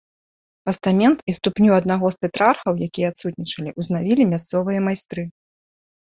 Пастамент і ступню аднаго з тэтрархаў, якія адсутнічалі, узнавілі мясцовыя майстры.